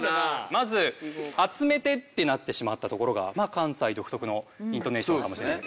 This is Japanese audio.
まず集めてってなってしまったところが関西独特のイントネーションかもしれない。